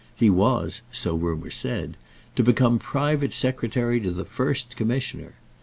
He was, so rumour said, to become private secretary to the First Commissioner.